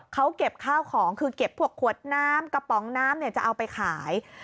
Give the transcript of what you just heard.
เขาเก็บข้าวของคือเก็บพวกขวดน้ำกระป๋องน้ำเนี่ยจะเอาไปขาย